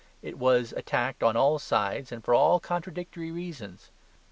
It was attacked on all sides and for all contradictory reasons.